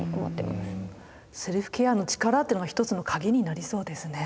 セルフケアの力ってのが一つの鍵になりそうですね。